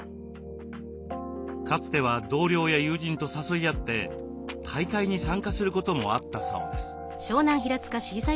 かつては同僚や友人と誘い合って大会に参加することもあったそうです。